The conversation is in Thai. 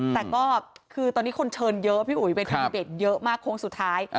แต่ก็คือตอนนี้คนเชิญเยอะพี่อุ๋ยเวทีเบตเยอะมากโค้งสุดท้าย